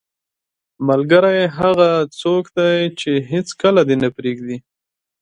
ملګری هغه څوک دی چې هیڅکله دې نه پرېږدي.